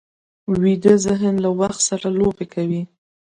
ویده ذهن له وخت سره لوبې کوي